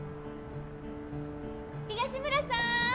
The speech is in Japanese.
・東村さん